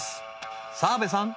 ［澤部さん。